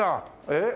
えっ？